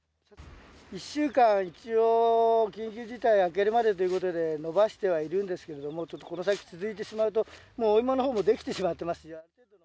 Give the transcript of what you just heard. １週間、一応、緊急事態明けるまでということで延ばしてはいるんですけれども、ちょっとこの先続いてしまうと、もうお芋のほうも出来てしまっていますし。